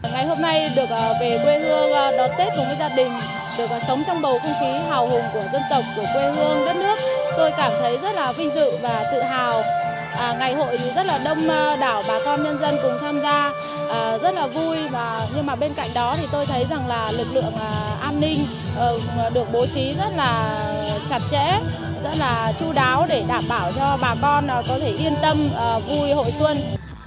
ngày hội rất là đông đảo bà con nhân dân cùng tham gia rất là vui nhưng mà bên cạnh đó tôi thấy lực lượng an ninh được bố trí rất là chặt chẽ rất là chú đáo để đảm bảo cho bà con có thể yên tâm vui hội xuân